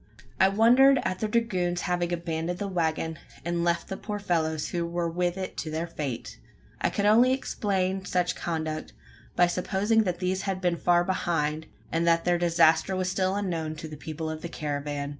I wondered at the dragoons having abandoned the waggon, and left the poor fellows who were with it to their fate! I could only explain such conduct, by supposing that these had been far behind, and that their disaster was still unknown to the people of the caravan.